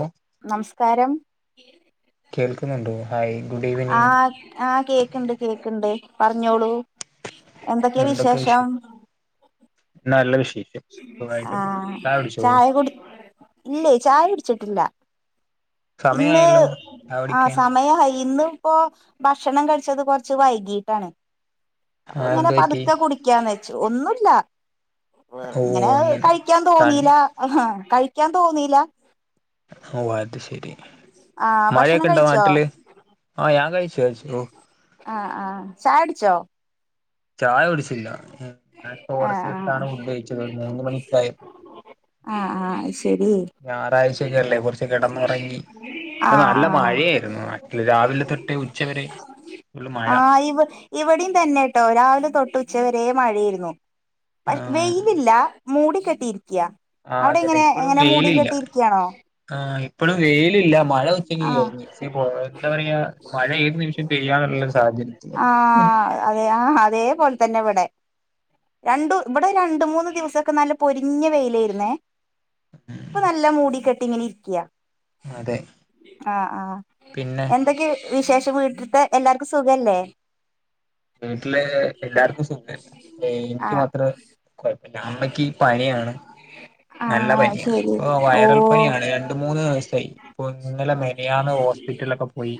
ഓ നമസ്കാരം കേൾക്കുന്നുണ്ടോ hi good evening ആഹ് ആഹ് കേക്ക്ണ്ട് കേക്ക്ണ്ട് പറഞ്ഞോളൂ. എന്തക്കെ വിശേഷം നല്ല വിഷ് ആഹ് ചായ കുടി ഇല്ലെയ് ചായുട്ച്ചിട്ടില്ല. ഇന്ന് സമയായല്ലോ ചായ ആഹ് കുടിക്കാൻ സമയായി ഇന്ന് പ്പോ ഭക്ഷണം കഴിച്ചത് കൊറച്ച് വൈകീട്ടാണ്. [inaudible] ആഹ് ഇങ്ങനെ എന്ത് പറ്റി പതുക്കെ കുടിക്കാന്ന് വച്ചു ഒന്നുല്ല വെർ ഓ ഇങ്ങനെ അങ്ങനെ കഴിക്കാൻ സൺ തോന്നീല ഹാ കഴിക്കാൻ തോന്നീല. ഓ അത് ശെരി ആ ഭക്ഷണം മഴയൊക്കെ ഇണ്ടോ കഴിച്ചോ നാട്ടില് ആഹ് ഞാൻ കഴി ച്ചഴ്ച്ചൂ. ആഹ് ആഹ് ചായട്ച്ചോ ചായ കുടിച്ചില്ല ഞാൻ ഇപ്പൊ ആ ആ കൊറച്ചട്ത്താണ് ഫുഡ് കഴിച്ചത് ഒരു മൂന്ന്മണിക്കായപ്പോ ആ ആ ശരി ഞാറാഴ്ചക്കെല്ലേ കൊറച്ച് കെടന്നുറങ്ങി ആ [unintelligible] നല്ല മ ആ യേര്ന്നു നാട്ടില് രാവിലെ തൊട്ടേ ഉ ആഹ് ഇവ ഇവടിം തന്നെട്ടോ രാ ലെ തൊട്ട് ഉച്ചവര മഴേര്ന്നു പഷ് ആഹ് വെയിലില്ല മൂടി കെട്ടിയിര് ക്ക്യാ ആഹ് അതന്നെ അവടെങ്ങനെ ഇപ്പഴും എങ്ങനെ മൂടി കെട്ടിയിരിക്ക്യാണോ? ഇപ്പളു വെയിലില്ല മഴ ഉച്ചയ്ക്ക് കഴിഞ്ഞു. ഷേ പോ എന്താ പറിയാ മഴ ഏത് നിമിഷം പെയ്യാനുള്ള സാധ് ആഹ് അതെ ആഹ് അതേപോൽ തന്നെ ഇവടെ രണ്ടു ഇവിടെ രണ്ട് മൂന്ന് ദിവസൊക്കെ നല്ല പൊരിഞ്ഞ വെയിലായിരുന്നേ ഇപ്പ നല്ല മൂടിക്കെട്ടി ങ്ങനെരിക്ക്യാ അതെ ആഹ് ആഹ് പിന്നെ എന്തൊക്കെ വിശേഷം വീട്ട്ത്തെ എല്ലാര്ക്കും സുഖല്ലേ വീട്ടിലെ എല്ലാര്ക്കും സുഖേല്ല ഏ എനിക്ക് ആഹ് മാത്രം കൊഴപ്പില്ല അമ്മക്കീ പനിയാണ് നല്ല ആഹ് പനിയാണ് ശരി ഇപ്പൊ വയറൽ പനിയാണ് ഓഹ് രണ്ടും മൂന്ന് ദിവസായി ഇപ്പൊ ഇന്നലെ മെനിയാന്ന് ഹോസ്പിറ്റലൊക്കെ പോയി.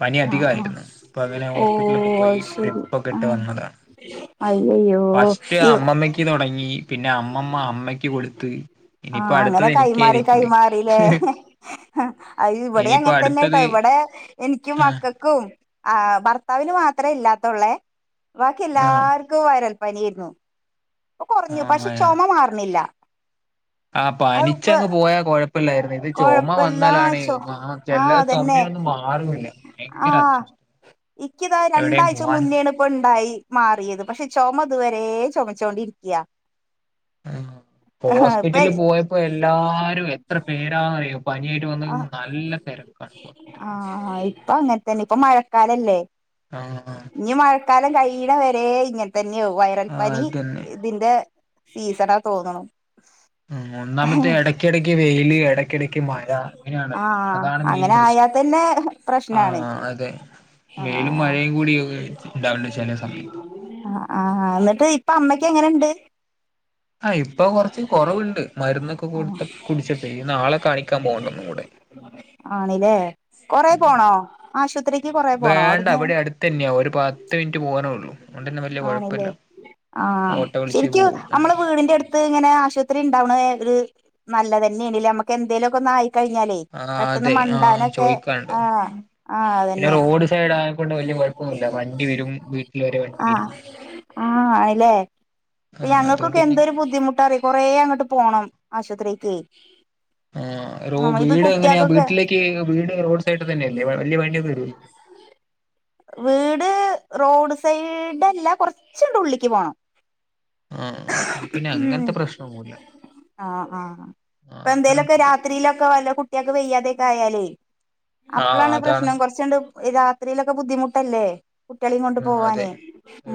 പനി ആഹ് ആഹ് അധികായിര്ന്നു ഇപ്പൊ അങ്ങനെ ഹോസ്പിറ്റലൊക്കെ ഓഹ് പോയി അത് ശരി ട്രിപ്പൊക്കെ ഇട്ട് ആഹ് വന്നതാണ്. അയ്യയ്യോ ഫസ്റ്റ് ഇവ് അമ്മമ്മക്ക് തൊടങ്ങി പിന്നെ അമ്മമ്മ അമ്മയ്ക്ക് കൊട്ത്ത്. ആഹ് അങ്ങനെ കൈമാറി കൈമാറിലെ അഹ് ഇവടെ ഇനിയിപ്പോ അങ്ങൻതന്നെട്ടോ അടുത്തത് ഇവടെ നിക്കും ആഹ് മക്കക്കും ആഹ് ഭർത്താവിന് മാത്രേ ഇല്ലാതൊള്ളെ ബാക്കി എല്ലാർക്കും വയരൽപന്യേര് ന്നു പ്പ കൊർഞ്ഞു പക്ഷെ ആഹ് ചൊമ മാർണില്ല. ആഹ് പനിച്ചങ്ങ് പോയാ കൊഴപ്പല്ലാര്ന്നു ഇത് ചൊമ കൊഴപ്പല്ല വന്നാലാണ് ചോ മഹാ ആഹ് ചെല്ലറ ചൊമ അതന്നെ പെട്ടന്ന് മാറൂല്ല ഭയങ്കരാ ആഹ് ഇക്കിതാ രണ്ടാഴ്ച മുന്നോണ് ഇപ്പണ്ടായി മാറിയത് പക്ഷെ ചൊമത് വ രേ ചൊമച്ചോണ്ടിരിക്യാ ആഹ് ഹോസ്പിറ്റലിൽ പോയപ്പോ എല്ലാരും എത്ര പേരാന്നറിയോ പന്യാ ആഹ് ആഹ് ഇപ്പ അങ്ങനെ തന്നെ ഇപ്പൊ മഴക്കാലല്ലേ ആഹ് ഞ്ഞി മഴക്കാലം കയീണവരെ ഇ തന്നാവും വയറൽ ആഹ് പനി അതന്നെ ഇതിന്റെ സീസണാ തോന്ന്ണു. മ് ഒന്നാമത്തെ എടക്കെടക്ക് വെയ്ല് എടക്കെടക്ക് മഴ അങ്ങനെയാണല്ലോ ആഹ് അതാണ് മെയിൻ അങ്ങനെ പ്രശ്നം ആയാത്തന്നെ പ്രശ്നാണ് ആഹ് അതെ വെയിലും ആഹ് മഴയും കൂടി ഉണ്ടാവില്ല ചില സമയത്ത് ആഹ് ന്ന്ട്ട് ഇപ്പ അമ്മക്ക് എങ്ങനെണ്ട് ആഹ് ഇപ്പ കൊറച്ച് കൊറവ്ണ്ട് മരുന്നൊക്കെ കൊട്ത്ത് കുടിച്ചപ്പേ ഞ്ഞി നാളെ കാണിക്കാ ആണിലേ കൊറേ ഉം. പോണോ ആ വേണ്ട വടെ അട്ത്തന്നേയാ ഒരു പത്ത് മിനിറ്റ് പോകാനൊള്ളു അതോണ്ടന്നെ വല്ല്യേ കൊഴപ്പല്ല. ആണില്ലേ ആഹ് ശെരിക്കും നമ്മള് വീടിന്റെ അട്ത്ത്ങ്ങനെ ആ ശ്പത്രി ഉണ്ടാവ്ണേ ഒരു നല്ലതെന്നേണ്ല്ലേ മ്മക്ക് എന്തേങ്കിലൊക്കൊന്നായി കഴിഞ്ഞാലേയ് ആ പെട്ടന്ന് അതെ ആ മണ്ടാനക്കെ ചോദിക്കാനുണ്ടോ ആഹ് ആഹ് അതന്നെ കൊഴപ്പമില്ല വണ്ടി വെരും വീട്ടിൽ വെരേ വണ്ടി ആഹ് വെരും. ഞങ്ങക്കൊക്കെ എന്തൊരു ബുദ്ധിമുട്ടാറിയോ കൊറേ അങ്ങട്ട് പോണം ആശോത്രീകേയ് ഏ റോ വീട് എങ്ങനെയാ വീട്ടിലേക്ക് വീട് റോഡ് സൈഡ് തന്നെയല്ലേ വല്ല്യേ വാഹന [unintelligible] വീട് റോഡ് സൈഡല്ല കൊർച്ചങ്ങ്ണ്ട് ഉള്ളിക്ക് പോണം ആഹ് എനിക്കിന്നെ ഉം അങ്ങനത്തെ പ്രശ്നോന്നൂല്ല ആഹ് ആഹ് അപ്പന്തേലൊക്കെ വരും രാത്രിയിലൊക്കെ വല്ല കുട്ട്യാക്ക് വെയ്യാതെക്കെ ആയാലേ ആ അപ്ലാണ് അതാണ് പ്രശ്നം കൊർച്ചണ്ട് രാത്രീലൊക്കെ ബുദ്ധിമുട്ടല്ലേ കുട്ട്യാളേം കൊണ്ട് ഉം അതെ പോവാന്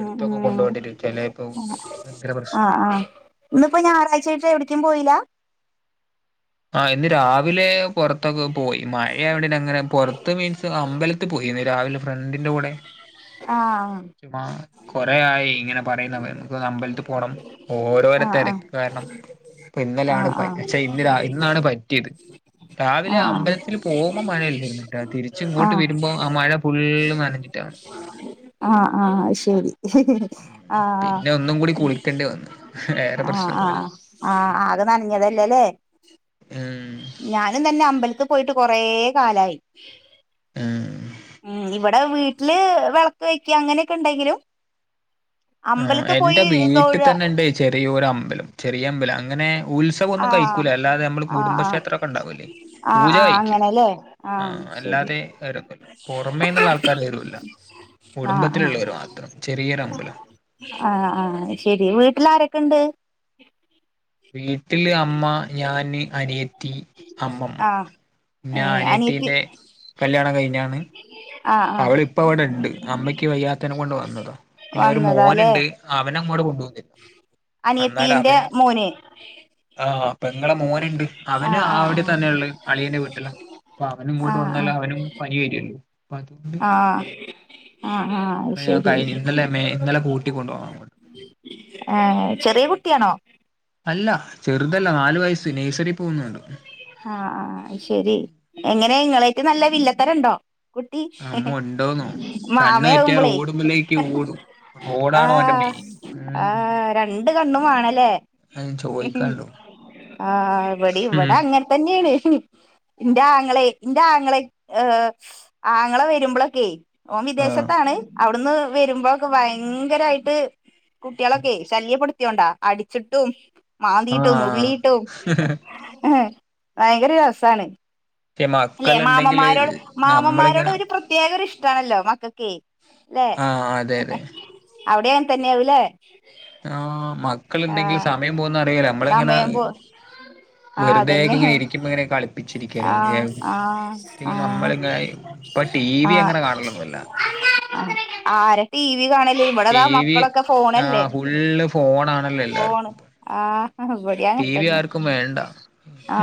മ് മ് കൊണ്ടോണ്ടിരും ചെലേപ്പോ ഭയങ്കര പ്രശ്ന ആഹ് ആഹ് ഇന്ന് പ്പോ ഞായറാഴ്ചയപ്പോ എവ്ട്ക്കും പോയ്‌ല ആ ഇന്ന് രാവിലെ പൊറത്തൊക്കെ പോയി മഴയാവോണ്ടങ്ങനെ പൊറത്ത് മീൻസ് അമ്പലത്തി പോയി ഇന്ന് രാവിലെ ഫ്രണ്ടിന്റെ കൂടെ ആഹ് ചുമ കൊറേ ആയി ഇങ്ങനെപ് പറയുന്നു നമ്മക്കൊന്ന് അമ്പലത്തിൽ പോണം ഓരോരോ ആഹ് ആഹ് തെരക്ക് കാരണം പ്പൊ ഇന്നലാണ് ആഹ് പ ആഹ് ഷെ ഇന്ന് രാ ഇന്നാണ് പറ്റ്യേത് ആഹ് രാവിലെ ആഹ് അമ്പലത്തിൽ പോക്മ്പോ മഴല്ലാര്ന്ന്ട്ടോ തിരിച്ച് ങ്ങോട്ട് ആഹ് വര്മ്പോ ആ മഴ ഫുള്ള്നനഞ്ഞു റ്റാ ആഹ് ആഹ് ശെരി ആഹ് പിന്നെ ഒന്നും കൂടി കുളിക്കേണ്ടി വന്നു വേറെ ആഹ് പ്രശ്നം പോലെ ആഹ് ആഹ് ആകെ നനഞ്ഞതല്ലെലെ ഉം ഞാനും തന്നെ അമ്പല പോയിട്ട് കൊറ കാലയി ഉം മ് ഇ ടെ വീട്ടില് വെളക്ക് വെക്ക അങ്ങനെയൊക്കെണ്ടെങ്കിലും ആ എന്റെ വീട്ടിത്തന്നെണ്ട് ചെറിയൊരമ്പലം ചെറിയ അമ്പല അങ്ങനെ ഉത്സവൊന്നും ആഹ് കയ്ക്കൂല അല്ലാതെ നമ്മള് ആഹ് ആഹ് കുടുംബക്ഷേത്രൊക്കെണ്ടാവൂലേ ആഹ് പൂജ ആഹ് കയ്ക്കും അങ്ങനെല്ലേ ആ ആഹ് ശരി അല്ലാതെ തരൊന്നുല്ല പുറമേന്നുള്ള ആൾക്കാര് തരുല്ല ആഹ് കുടുംബത്തിലുള്ളവര് മാത്രം ചെറിയൊരമ്പലം ആ ആ ശെരി വീട്ടിൽ ആരൊക്കെണ്ട് വീട്ടില് അമ്മ ഞാന് അനിയ ത്തി അമ്മമ്മ ആഹ് പിന്നെ ഏഹ് അനിയത്തി അനിയത്തീന്റെ കല്യാണം കഴിഞ്ഞാണ് ആഹ് ആഹ് അവളിപ്പൊ വടെണ്ട് അമ്മയ്ക്ക് വയ്യാത്തനെ കൊണ്ട് വന്നതാ പിന്നെ ഒരു വന്നതാല്ലേ മോനുണ്ട് അവനങ്ങോട് [unintelligible] എന്നാൽ അനിയത്തിന്റെ അവനും മോന് ആ പെങ്ങളെ മോനുണ്ട് അവന് ആഹ് ആഹ് ആവിടെ ആഹ് തന്നെയള്ള അളിയന്റെ വീട്ടിലാ പ്പവനും ഇങ്ങോട്ട് വന്നാലവനും പനി വര്വല്ലേ ആ ആ ആ അഹ് ഇവിടെ ഞാൻ ശരി കഴിഞ്ഞ ഇന്നലെ മേ ഇന്നലെ കൂട്ടി കൊണ്ടുപോകാൻ അങ്ങോട്ട് ഏ ചെറിയ കുട്ടിയണോ അല്ല ചെറുതല്ല നാലു വയസ്സ് നഴ്സറി പോകുന്നുണ്ട് ആ ആ അ അഹ് ശെരി എങ്ങനെ ഇങ്ങളേറ്റ് നല്ല വില്ലത്തരണ്ടോ അമ്മ ഉണ്ടോന്നോ കണ്ണ് മാമേ തെറ്റിയ കുമ്പളെ റോഡുമ്പിലേക്ക് ഓടും ആ റോഡാണോ അവന്റെ മെയിൻ ആ ഉം രണ്ട് കണ്ണും വാണല്ലേ അയിൻ ചോയിക്കാണ്ടു ആ ഇവടീം ഇവടങ്ങൻതന്നേണ് ന്റെ ആങ്ങളെ ന്റെ ആങ്ങളെര് ഏ ആങ്ങള വരുമ്പളൊക്കെ ഓ ആഹ് വിദേശത്താണ് അവിടുന്ന് വരുമ്പോക്കെ ഭയങ്കരായിട്ട് കുട്ടികളൊക്കെ ശല്യപ്പെടുത്തിയോണ്ടാ അടിച്ചിട്ടും മാന്തീട്ടും ആഹ് നുള്ളീട്ടും ഭയങ്കര രസാണ് പക്ഷെ അല്ലെ മക്കളുണ്ടെങ്കില് മാമമ്മാരോട് മാമമ്മാരോട് നമ്മളിങ്ങനെ ഒരു പ്രത്യേക ഒരു ഇഷ്ടണല്ലോ മക്കക്കേയ് ല്ലെ ആഹ് അതെ അതെ അവിടെയൻതന്നേവും ലേ ആ മക്കളുണ്ടെങ്കിലും സമയം പോകന്നറിയേല നമ്മളിങ്ങനെ സമയം പോ ആഹ് അതന്നെ വെറുതേക്കെങ്ങനെ ഇരിക്കുമ്പങ്ങനെ കളിപ്പിച്ചിരിക്കല്ലോ ആ ആ ഇപ്പൊ ടി ആ വി അങ്ങനെ കാണലൊന്നുല്ല ആര ടീ - വി കാണല് ടി ഇവിടെതാ വി മക്കളൊക്കെ ഫോണല്ലേ ആഹ് ഫുള്ള് ഫോണാണല്ലോ ഫോണ് എല്ലാർക്കും ആ ബടിയങ്ങൻ ടി വി തന്നെ ആർക്കും വേണ്ട ആ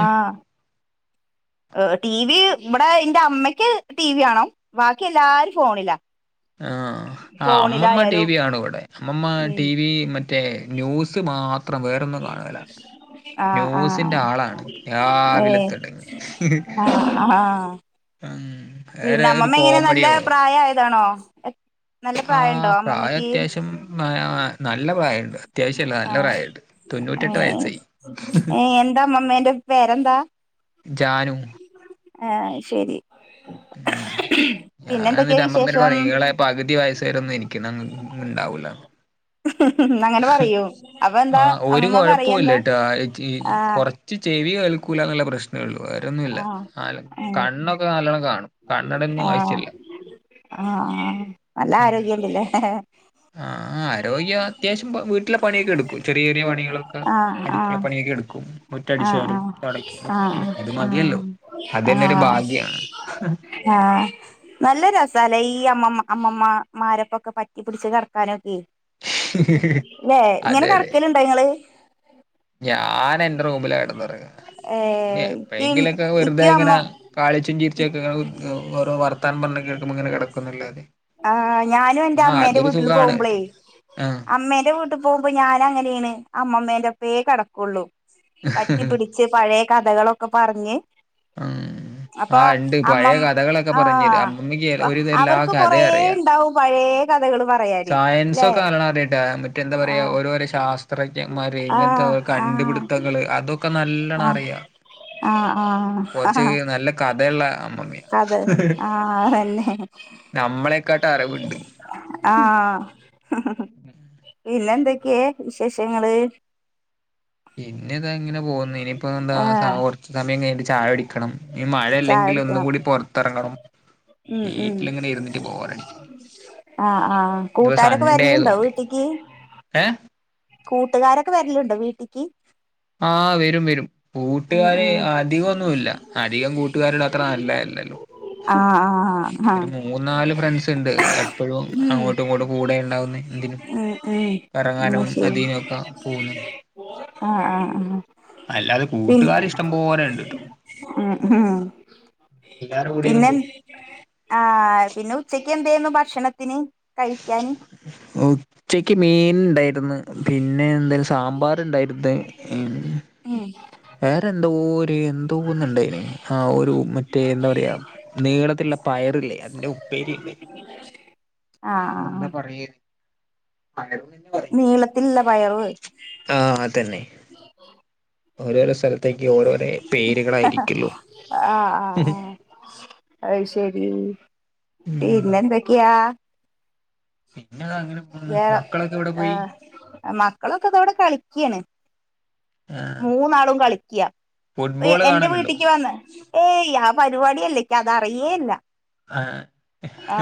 ഹ് ടി വി ഇവടെ എന്റെ അമ്മയ്ക്ക് ടി വി കാണും ബാക്കി എല്ലാരും ഫോണില അ ആ അ അമ്മമ്മ ടി വി കാണു ഇവടെ അമ്മമ്മ ഉം ടി വി മറ്റേ ന്യൂസ് മാ ത്രം വേറൊന്നും കാണേല ആ ആ ന്യൂസിന്റെ ആളാണ് ഏ രാവിലെ തൊടങ്ങി ആ അഹാ പിന്നെ വേറെ ഒരു അമ്മമ്മെങ്ങനെ നല്ല കോമഡിയോ പ്രായ ആയതാണോ ആ പ്രായം അത്യാവശ്യം നല്ല പ്രായുണ്ട് അത്യാവശ്യല്ല ആ നല്ല പ്രായണ്ട് തൊന്നൂട്ടെറ്റ് വയസ്സായി ഏ എന്താ അമ്മമ്മേന്റെ പേരെന്താ ജാനു ആ അഹ് ശരി ഉം പിന്നെ ഞാൻ എന്തൊക്കെയാ ന്റെ അമ്മമ്മേനോട്‌ വിശേഷം പറീം ഇങ്ങളെ പകുതി വയസ്സ് വരെ ഒന്ന് എനക്ക്ങ് ഇണ്ടാവൂല അങ്ങനെ പറയൂ അപ്പൊ ആ എന്താ ഒരു അമ്മമ്മ പറയെന്താ കുഴപ്പോല്ലട്ടോ ചെ ആ കൊറച്ച് ചെവി കേൾക്കൂ ല ന്ന്ള്ള പ്രശ്നേ ഉള്ളൂ വേറൊന്നൂല്ല ആ ഏ കണ്ണൊക്കെ നാലോണ്ണം കാണും കണ്ണട ഒന്നും ആവശ്യില്ല ആ ആ നല്ല ആരോഗ്യല്ല് ലേ പ്പൊ വീട്ട്ലെ പണിയൊക്കെ എടുക്കും ചെറിയ ചെറിയ പണികളക്കെ ആ ആ അടുക്കുള്ള പണിയൊക്കെ എടുക്കും ആ മുറ്റടിച്ച് ആ വാരും തൊടക്കും ആ [unintelligible] അത് മതിയല്ലോ ആ ആ അതന്നെ ഒരു ഭാഗ്യാണ് ആ നല്ലൊരസാലേ ഈ അമ്മമ്മ അമ്മമ്മമാരൊപ്പൊക്കെ പറ്റിപ്പിടിച്ച് കിടക്കാനൊക്കെ അല്ലെ ഇങ്ങനെ അതെ അതെ കറക്കലുണ്ടോ നിങ്ങള് ഞാൻ എന്റെ റൂമില കിടന്നുറങ്ങ ഏ ഇ ഇക്ക് എപ്പോഴെങ്കിലുക്കെ വെറുതെ ഇക്കും അമ്മ ഇങ്ങനെ കാളിച്ചും ചീരിച്ചൊക്കെ ഓരോ വർത്താൻ പറഞ്ഞ കേൾക്കോ ഇങ്ങന കിക്കന്ന അല്ലാതെ ആ ഞാനും എൻറെ അമ്മേന്റെ വീട്ടിൽ പോകുമ്പളേ ആഹ് അമ്മേന്റെ വീട്ടിൽ പോകുമ്പോ ഞാനൻ അങ്ങനെയണ് അമ്മമ്മേന്റെപ്പേ കിടക്കുള്ളു പറ്റി പിടിച്ച് പഴയ കഥകളൊക്കെ പറഞ്ഞ് ഉം അപ്പൊ ആ ഉണ്ട് പഴയ അമ്മം കഥകളൊക്കെ പറഞ്ഞര ആഹ് അമ്മയ്ക്ക് ഒരുത എല്ലാ അവർക്ക് കൊറേ കഥയ അറിയാം ഇണ്ടാവും പഴയ കഥകള് പറയാല്ലെ മറ്റ എന്താ പറയാ ഓരോരോ ശാസ്ത്രജ്ഞന്മാര് ഇങ്ങനത്തെ ആഹ് ആഹ് കണ്ടുപിടുത്തങ്ങള് അതൊക്കെ നല്ലണം ആഹ് അറിയാ ആഹ് ആഹ് കുറച്ച് ആഹ് നല്ല കഥയുള്ള അമ്മമ്മിയ അതെ ആഹ് അതന്നെ നമ്മളെക്കാട്ട് അറിവുണ്ട് ആ പിന്നെ എന്തൊക്കെയ വിശേഷങ്ങള് പിന്നെ ഇത അങ്ങനെ പോകുന്നു ഇനിയിപ്പോ എന്താ ആഹ് കുറച്ച സമയം ക ചായടിക്കണം ഈ ചായ മഴയല്ലെങ്കിൽ ഒന്ന കുടിക്കണം കൂടി പുറത്തിറങ്ങണം ഉം വീട്ടിലിങ്ങനെ ഇരുന്നിട്ട് ബോറടിക്കും ആ ആ കൂട്ടാരൊക്കെ വരലണ്ടോ ആയതുകൊണ്ട് വീട്ടിക്ക് ഏ കൂട്ടുകാരൊക്കെ വരലുണ്ടോ വീട്ടി ആഹ് വരും വരും ഉം കൂട്ടുകാര് ഉം അധികംഓന്നുല്ല അധികം കൂട്ടുകാര അത്ര നല്ലല്ലല്ലോ ആഹ് ആഹ് ഒരു ആഹ് മൂന്ന നാല് ഫ്രണ്ട്സ് ഉണ്ട് എപ്പോഴും ഉം അങ്ങോട്ടും ഇങ്ങോട്ടും കൂടെ ഉണ്ടാവുന്ന എന്തിനും ഉം ഉം എന്നാ കറങ്ങാനും ശരി നദീനൊക്കെ പോവുന്നേ ആഹ് ആഹ് ആഹ് അല്ലാതെ കൂട്ടുകാ ഇഷ്ടം പോ ആ ഉം എല്ലാരും കൂടിയൊക്കെ പിന്നെ പോകും ആ പിന്നെ ഉച്ചക്ക് എന്തുന്നു ഭക്ഷണത്തിന് ക്കാന ഉച്ചക്ക് മീൻ ഉണ്ടായിന്ന് പിന്നെ എന്തായാലും സാമ്പാർ ഉണ്ടായിന്ന ഉ ഉം വേറെന്താ എന്തോ ഒന്ന് ഉണ്ടായിൻ ആ ഒരു മറ്റേ എന്താ പറയാ നീളത്തിലുള്ള പയറില്ലേ അതിന്റെ ആഹ് ൻ ആഹ് എന്താ പറയ പയറ്ന്ന് പറയും നീളത്തില്ല പയർവ് ആ അതന്നെ ഓര ആ ആ ആ അ ശെരി ഉം പിന്നെന്തൊക്കെയാ പിന്നെ അത് അങ്ങനെ പോണ് വേറെ മക്കളൊക്കെ എവിടെ പോയി ആ മക്കളൊക്കെ ഇതോടെ കളിക്കാണ് ആഹ് മൂന്നാളും കളിക്കുക ഫുട്ബോള് എന്റെ കാണലുണ്ടോ വീട്ടിക്ക് വന്ന് ഏയ് ആ പരിപാടിയല്ലേക്ക് അത അറിയേല്ല ആഹ് ആ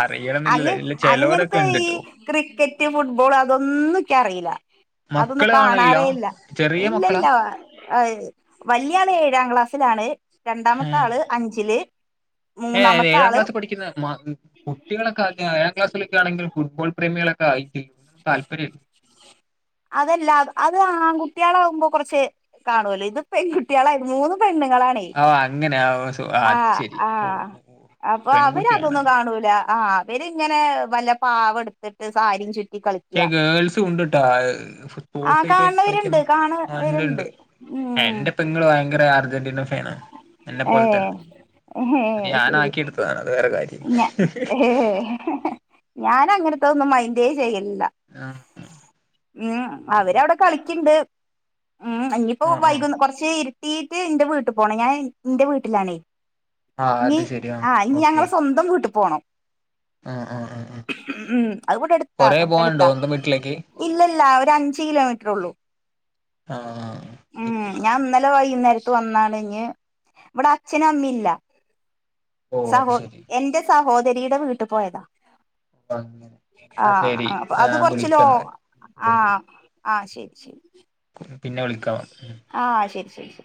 അറിയണംന്നില്ലല്ലേ അങ്ങ ഇല്ല ചെലോരൊക്കെ അങ്ങനത്തെ രി ഇണ്ട്ട്ടോ ക്രിക്കറ്റും ഫുട്ബോൾ അതൊന്നിക്ക അറിയില്ല അതൊന്നും മക്കള് കാണലില്ല കാണാറേ ഇല്ല ചെറിയ മക്കളാ ഇല്ലല്ല വല്യാൾ ഏഴാം ക്ലാസ്സിലാണ് രണ്ടാമത്തെ ആള് അഞ്ചില് ഏ മൂന്നാമത്തെ ഏഴാം ആള് ക്ലാസ് പഠുന്ന കുട്ടികൊക്കെ ഏഴാം ക്ലാസ്സിലൊക്കെ ആണെങ്കിൽ ഫുട്ബോൾ പ്രേമികള ക താല്പര്യല്ല അതല്ല അത് ആൺകുട്ടികള ആകുമ്പോ കുറച്ച് കാണുവല്ലോ ഇത് പെൺകുട്ടികളായിരുന്നു മൂന്നും പെണുങ്ങളാണ് ഓഹ് അങ്ങനെ ഓഹ് ആ അത് ശരി ആ ഓഹ് ഓഹ് ഓഹ് അപ്പൊ അവര അതൊന്നും പെൺകുട്ടിയാണല്ലോ കാണൂല ആ അവരിങ്ങനെ വല്ല പാവ എടുത്തിട്ട് സാരിയും ചുറ്റി കളിക്ക ച ഗേൾസ് ഉണ്ട്ട്ടാ സ്പോർട്സ ആഹ് ആായിട്ട് കാണവരുണ്ട് കളിക്കുന്ന ഉണ്ട്ണ്ട് കാണവരുണ്ട് ഉം എന്റെ പെങ്ങൾ ഭയങ്കര അർജന്റീന ഫേന എന്നെ പോലെ ഏഹ് തന്നെ അത് ശരി ഞാനാക്കിയെടുത്തതാണ് അത് വേറെ കാര്യം ഏ ഞാൻ പി അങ്ങനത്തെ ഒന്നും അയന്ന്റെേ ചെയ്യില്ല ആഹ് ഉം അവരവിടെ കളിക്കണ്ട് ഉ ഇനിയിപ്പോ ആഹ് ആഹ് വൈക കുറച്ച് ഇരുട്ടീയിട്ട് എന്റെ വീട്ടിൽ പോണ ഞാൻ എന്റെ വീട്ടിലാണേ ആഹ് ഇനി അത് ശരി ആഹ് ആഹ ഇനി ഞങ്ങള് സ്വന്തം വീട്ടി പോണം ആഹ ആഹ ആഹ ഉംം അതുകൊണ്ട് എടുത്താ പോവാനുണ്ടോ തൊട്ടെടുത്താ സ്വന്തം വീട്ടിലേക്ക് ഇല്ലല്ല ഒ അഞ്ച കിലോമീറ്റർ ഉള്ളൂ ആഹ ആയിക്കോട്ടെ വൈുന്നേരത്ത് വന്നാണ്ഞ് ഇവിടെ അച്ഛനും അമ്മില്ല ഓഹ് അത് സഹോ ശരി എന്റെ സഹോദരിയുടെ വീട്ടു പോയതാ അങ്ങനെ എന്നാ ശെരി ആഹ് അപ്പൊ അത് ഞാൻ കൊറച്ച് ലോ വിളിക്കന്നൽ ഓ ശരി ആഹ് ആഹ് ശരി ശരി പിന്നെ വിളിക്കാവ ഉ ശ ശരി ശരി